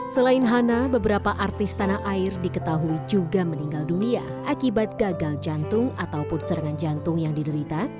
selain hana beberapa artis tanah air diketahui juga meninggal dunia akibat gagal jantung ataupun serangan jantung yang diderita